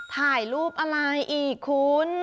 ถ่ายรูปอะไรอีกคุณ